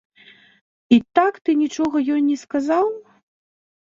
І так ты нічога ёй не сказаў?